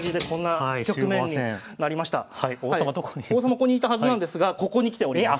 ここに居たはずなんですがここに来ております。